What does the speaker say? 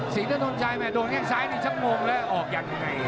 ถนนชัยแม่โดนแค่งซ้ายนี่ชักงงแล้วออกอยากยังไง